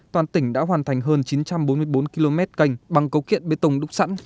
toàn tỉnh đã hoàn thành hơn chín trăm bốn mươi bốn km canh bằng cấu kiện bê tông đúc sẵn